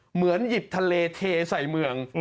เหมือนหยิบทะเลเทใส่เมือง